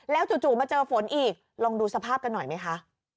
จู่มาเจอฝนอีกลองดูสภาพกันหน่อยไหมคะ